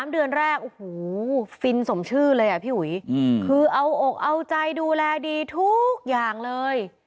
๓เดือนแรกโอ้โหฟินสมชื่อเลยอ่ะพี่อุ๋ยคือเอาอกเอาใจดูแลดีทุกอย่างเลย